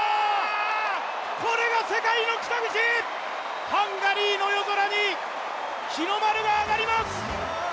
これが世界の北口、ハンガリーの夜空に日の丸が揚がります。